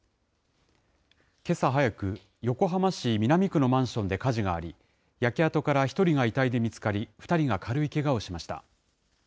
けさ早く、横浜市南区のマンションで火事があり、焼け跡から１人が遺体で見つかり、２人が軽いけがをしました。